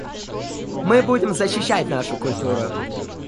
Мы будем защищать нашу культуру.